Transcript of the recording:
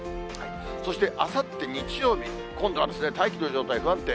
そしてあさって日曜日、今度は大気の状態、不安定。